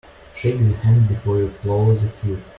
Shake the hand before you plough the field.